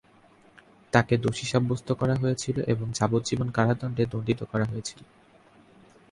তাকে দোষী সাব্যস্ত করা হয়েছিল এবং যাবজ্জীবন কারাদণ্ডে দণ্ডিত করা হয়েছে।